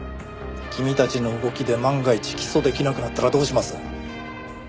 君たちの動きで万が一起訴できなくなったらどうします？